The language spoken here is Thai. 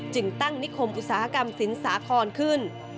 จึงตั้งนิคมอุตสาหกรรมสินสาครขึ้น